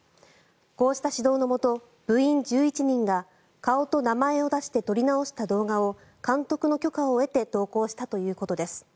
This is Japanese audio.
こうした指導のもと部員１１人が顔と名前を出して撮り直した動画を監督の許可を得て投稿したということです。